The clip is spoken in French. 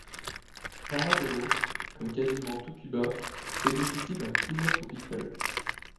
Varadero, comme quasiment tout Cuba, bénéficie d'un climat tropical.